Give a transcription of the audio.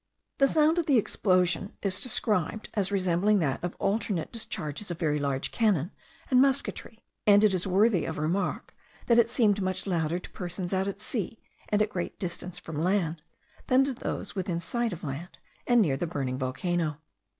The sound of the explosion is described as resembling that of alternate discharges of very large cannon and musketry; and it is worthy of remark, that it seemed much louder to persons out at sea, and at a great distance from land, than to those within sight of land, and near the burning volcano.